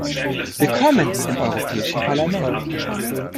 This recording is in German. Willkommen im Europäischen Parlament.